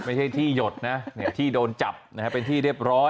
ไม่ใช่ที่หยดนะที่โดนจับเป็นที่เรียบร้อย